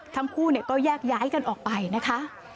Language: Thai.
ทั้งคู่ก็แยกย้ายกันออกไปนะคะ